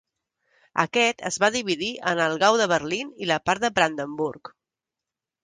Aquest es va dividir en el Gau de Berlín i la part de Brandenburg.